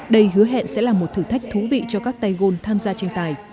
đây hứa hẹn sẽ là một thử thách thú vị cho các tay gôn tham gia tranh tài